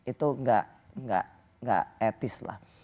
itu nggak etis lah